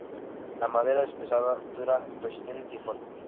La madera es pesada, dura, resistente y fuerte.